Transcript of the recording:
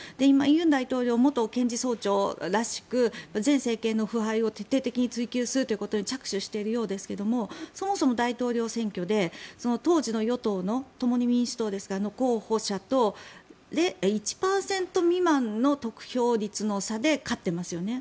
尹大統領、元検事総長らしく前政権の腐敗を徹底的に追及するということに着手しているようですがそもそも大統領選挙で当時の与党の共に民主党の候補者と１％未満の得票率の差で勝ってますよね。